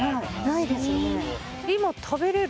ないですね。